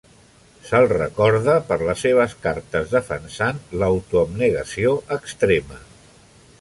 Se'l recorda per les seves cartes defensant l'auto-abnegació extrema.